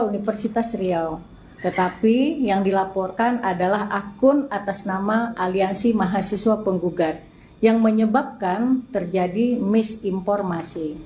universitas riau tetapi yang dilaporkan adalah akun atas nama aliansi mahasiswa penggugat yang menyebabkan terjadi misinformasi